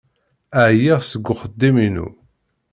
Ɛyiɣ seg uxeddim-inu.